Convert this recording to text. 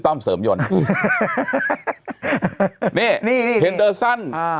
ต้อมเสริมยนต์นี่นี่มีเฮ้สเบอร์อ่า